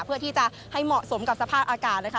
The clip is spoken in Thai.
เพื่อที่จะให้เหมาะสมกับสภาพอากาศนะคะ